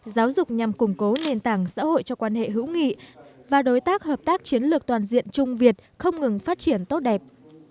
giáo dục nhằm củng cố nền tảng xã hội cho quan hệ hữu nghị và đối tác hợp tác chiến lược toàn diện trung việt không ngừng phát triển tốt đẹp